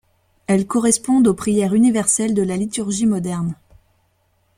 Elles correspondent aux prières universelles de la liturgie moderne.